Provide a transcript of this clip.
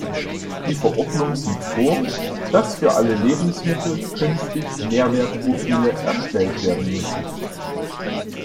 Die Verordnung sieht vor, dass für alle Lebensmittel künftig Nährwertprofile erstellt werden müssen.